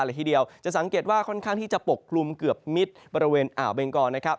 เลยทีเดียวจะสังเกตว่าค่อนข้างที่จะปกคลุมเกือบมิตรบริเวณอ่าวเบงกรนะครับ